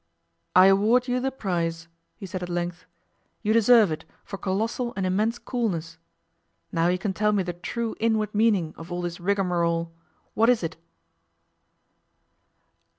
'I award you the prize,' he said, at length. 'You deserve it for colossal and immense coolness. Now you can tell me the true inward meaning of all this rigmarole. What is it?